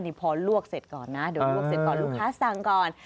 นี่พอลวกเสร็จก่อนนะเดี๋ยวลวกเสร็จก่อนลูกค้าสั่งก่อน